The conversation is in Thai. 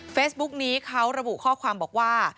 เฟซบุ๊กนี้เขาระบุข้อความบอกว่า